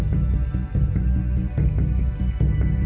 เวลาที่สุดท้าย